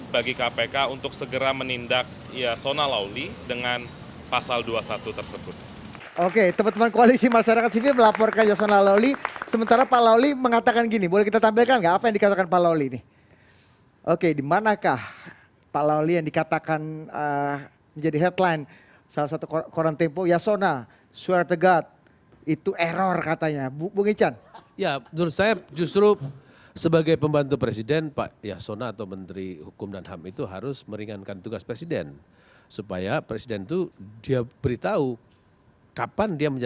saya sependapat karena adalah persoalan yang menyakut dengan pembantu presiden